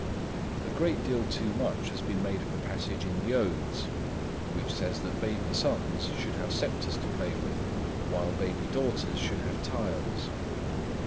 A great deal too much has been made of a passage in the Odes, which says that baby sons should have sceptres to play with, while baby daughters should have tiles.